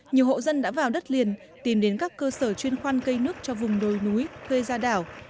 nhiều hộ dân đã vào đất liền tìm đến các cơ sở chuyên khoan cây nước cho vùng đồi núi gây ra đảo